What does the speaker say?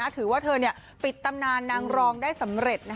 ถือว่าเธอปิดตำนานนางรองได้สำเร็จ